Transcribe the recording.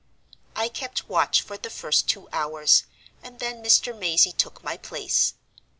I kept watch for the first two hours, and then Mr. Mazey took my place.